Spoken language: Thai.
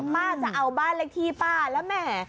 ป้าจะเอาบ้านเลขที่ป้าแล้วแหม